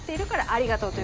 ありがとうは？